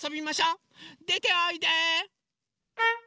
でておいで！